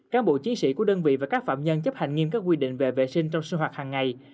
cán bộ chiến sĩ của đơn vị và các phạm nhân chấp hành nghiêm các quy định về vệ sinh trong sinh hoạt hàng ngày